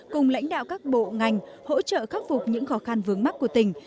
cùng lãnh đạo các bộ ngành hỗ trợ khắc phục những khó khăn vướng mắt của tỉnh